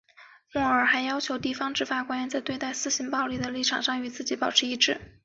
莫罗还要求地方执法官员在对待私刑暴力的立场上与自己保持一致。